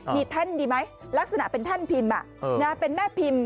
มีแท่นดีไหมลักษณะเป็นแท่นพิมพ์เป็นแม่พิมพ์